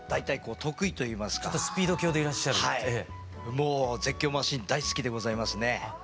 もう絶叫マシン大好きでございますね。